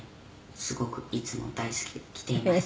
すごくいつも大好きで着ています」